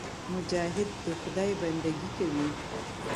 مجاهد د خدای بندګي کوي.